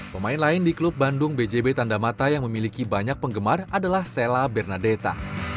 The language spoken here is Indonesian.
pemain lain di klub bandung bjb tandamata yang memiliki banyak penggemar adalah sella bernadeta